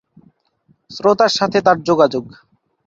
শ্রোতার সাথে তার যোগাযোগ।